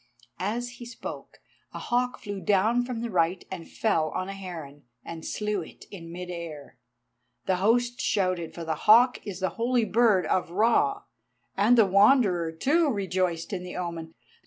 As he spoke a hawk flew down from the right, and fell on a heron, and slew it in mid air. The host shouted, for the hawk is the Holy Bird of Ra, and the Wanderer, too, rejoiced in the omen.